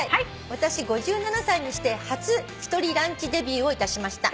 私５７歳にして初１人ランチデビューをいたしました」